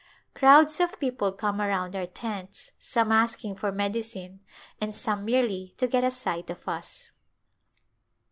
Crowds of people come around our tents, some asking for medi cine and some merely to get a sight of us.